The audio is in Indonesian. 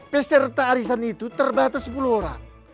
peserta arisan itu terbatas sepuluh orang